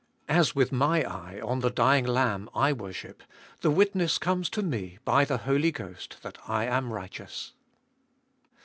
As with my eye on the dying Lamb I worship, the witness comes to me by the Holy Ghost that I am righteous.